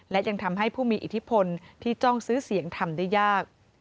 และยังทำให้ผู้มีอิทธิพลที่จ้องซื้อเสียงทำได้ยาก